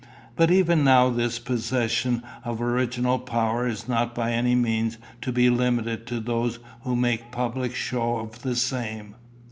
But even now this possession of original power is not by any means to be limited to those who make public show of the same.